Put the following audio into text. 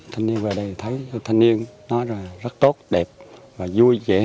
thành niên vào đây thấy thành niên nói là rất tốt đẹp và vui vẻ